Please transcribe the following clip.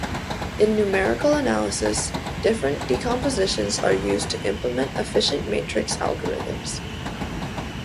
In numerical analysis, different decompositions are used to implement efficient matrix algorithms.